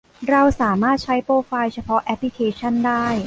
เราสามารถใช้โปรไฟล์เฉพาะแอปพลิเคชันได้